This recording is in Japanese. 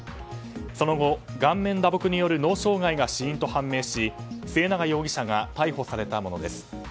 その後、顔面打撲による脳障害と判断し末永容疑者が逮捕されたものです。